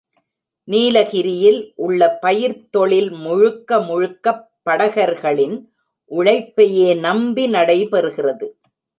நீலகிரியில் உள்ள பயிர்த்தொழில் முழுக்க முழுக்கப் படகர்களின் உழைப்பையே நம்பி நடைபெறுகிறது.